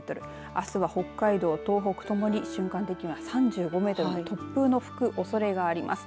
あすは北海道、東北ともに瞬間的には３５メートルと突風の吹くおそれがあります。